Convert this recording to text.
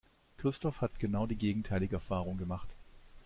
Christoph hat genau die gegenteilige Erfahrung gemacht.